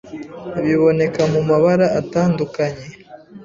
Biboneka mu mabara atandukanye,